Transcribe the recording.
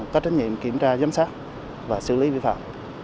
có trách nhiệm kiểm tra giám sát và xử lý vi phạm